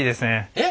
えっ？